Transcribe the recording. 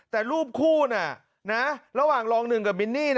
แต่รูปคู่ระหว่างรองหนึ่งกับมินนี่